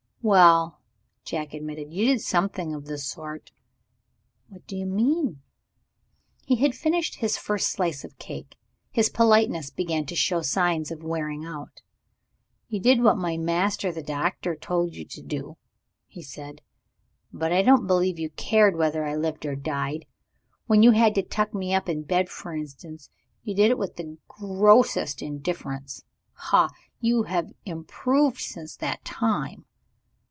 "Well," Jack admitted, "you did something of the sort." "What do you mean?" He had finished his first slice of cake; his politeness began to show signs of wearing out. "You did what my master the Doctor told you to do," he said. "But I don't believe you cared whether I lived or died. When you had to tuck me up in bed, for instance, you did it with the grossest indifference. Ha! you have improved since that time.